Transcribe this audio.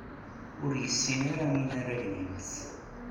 Ur yessin ara inaragen-nnes.